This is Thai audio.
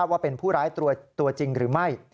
ว่าเป็นผู้ร้ายตัวจริงหรือไม่